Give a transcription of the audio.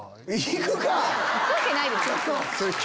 行くわけないでしょ！